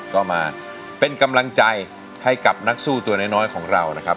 ก็มาเป็นกำลังใจให้กับนักสู้ตัวน้อยของเรานะครับ